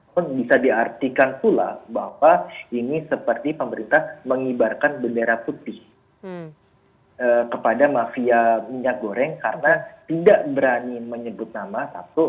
pun bisa diartikan pula bahwa ini seperti pemerintah mengibarkan bendera putih kepada mafia minyak goreng karena tidak berani menyebut nama satu